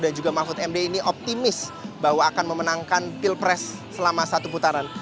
dan juga mahfud md ini optimis bahwa akan memenangkan pilpres selama satu putaran